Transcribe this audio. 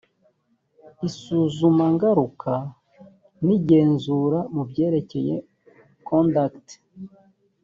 isuzumangaruka n igenzura mu byerekeye conduct